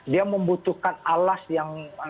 dia membutuhkan alas yang